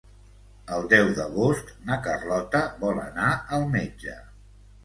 El deu d'agost na Carlota vol anar al metge.